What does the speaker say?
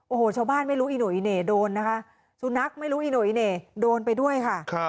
โอ้โหชาวบ้านไม่รู้อีหุยอีเหน่โดนนะคะสุนัขไม่รู้อีหนุ่ยเน่โดนไปด้วยค่ะ